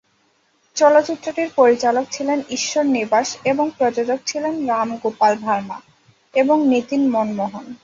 চলচ্চিত্রটির পরিচালক ছিলেন ঈশ্বর নিবাস এবং প্রযোজক ছিলেন রাম গোপাল ভার্মা এবং নিতিন মনমোহন।